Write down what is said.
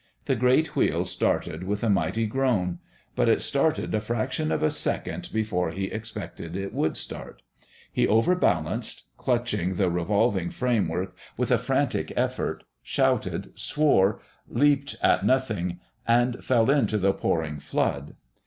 The great wheel started with a mighty groan. But it started a fraction of a second before he expected it would start. He overbalanced, clutching the revolving framework with a frantic effort, shouted, swore, leaped at nothing, and fell into the pouring flood.